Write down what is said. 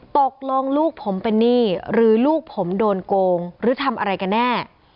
ตกลงลูกผมเป็นหนี้หรือลูกผมโดนโกงหรือทำอะไรกันแน่